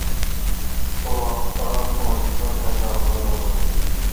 بۇ ۋاقىت ئاران ئون سېكۇنت ئەتراپىدا بولىدۇ.